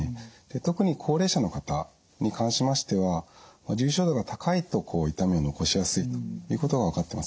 で特に高齢者の方に関しましては重症度が高いと痛みを残しやすいということが分かってます。